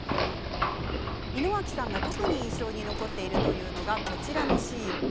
井之脇さんが特に印象に残っているというのがこちらのシーン。